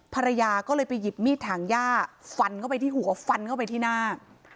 ภรรยาก็เลยไปหยิบมีดถังย่าฟันเข้าไปที่หัวฟันเข้าไปที่หน้า